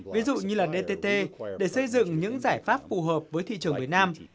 ví dụ như dtt để xây dựng những giải pháp phù hợp với thị trường việt nam